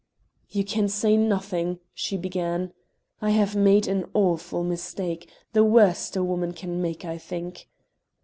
"You can say nothing," she began. "I have made an awful mistake, the worst a woman can make, I think."